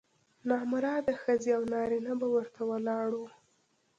نامراده ښځې او نارینه به ورته ولاړ وو.